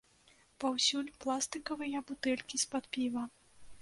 Паўсюль пластыкавыя бутэлькі з-пад піва.